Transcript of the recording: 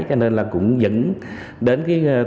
cho nên là cũng dẫn đến